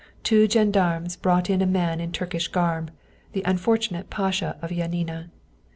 Two gendarmes brought in a man in Turkish garb the unfortunate Pasha of Janina.